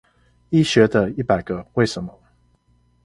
醫學的一百個為什麼